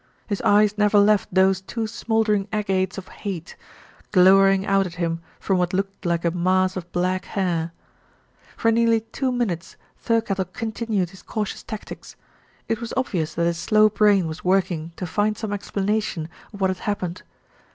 His eyes never left those two smouldering agates of hate, glowering out at him from what looked like a mass of black hair. For nearly two minutes Thirkettle continued his cautious tactics. It was obvious that his slow brain was working to find some explanation of what had hap pened.